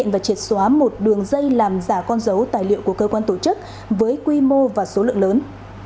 và triệt xóa một đường dây làm giả con dấu tài liệu của cơ quan tổ chức với quy mô và số lượng lớn